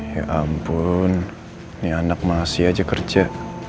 ya ampun ini anak masih aja kerja